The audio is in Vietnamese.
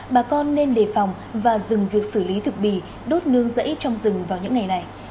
bà con nên đề phòng và dừng việc xử lý thực bì đốt nương dãy trong rừng vào những ngày này